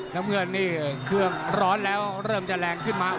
น้ำเงินนี่เครื่องร้อนแล้วเริ่มจะแรงขึ้นมา